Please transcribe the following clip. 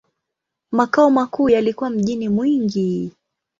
Makao makuu yalikuwa mjini Mwingi.